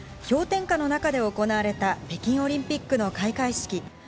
氷点下の中で行われた北京オリンピックの開会式。